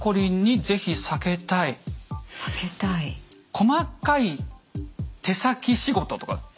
細かい手先仕事とか。